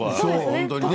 本当にね。